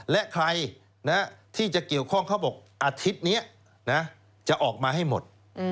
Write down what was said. และใครที่จะเกี่ยวข้องเขาบอกอาทิตย์นี้จะออกมาให้หมด